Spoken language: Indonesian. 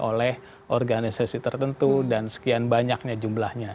oleh organisasi tertentu dan sekian banyaknya jumlahnya